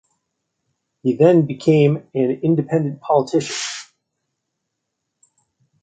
He then became an independent politician.